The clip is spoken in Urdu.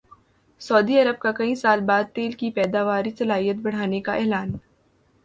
سعودی عرب کا کئی سال بعد تیل کی پیداواری صلاحیت بڑھانے کا اعلان